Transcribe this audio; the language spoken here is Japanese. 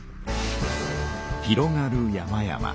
広がる山々。